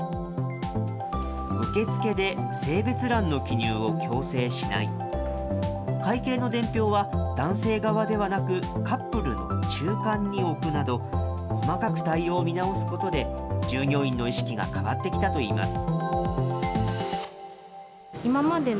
受付で性別欄の記入を強制しない、会計の伝票は男性側ではなく、カップルの中間に置くなど、細かく対応を見直すことで、従業員の意識が変わってきたといいます。